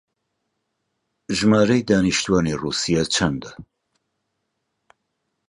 ژمارەی دانیشتووانی ڕووسیا چەندە؟